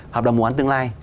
hợp đồng bán tương lai